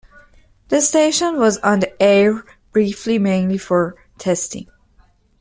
The station was on the air briefly, mainly for testing.